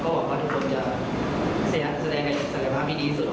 ครั้งนี้ก็เป็นเรื่องที่ดีต่อตัวนักกีฬาของทุกคนเอง